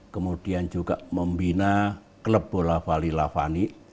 kemudian juga membina klub bola vali lafani